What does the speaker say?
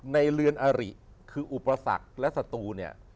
ในเรือนอริคืออุปสรรคและศัตรู